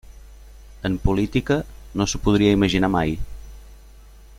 En política, no s'ho podria imaginar mai.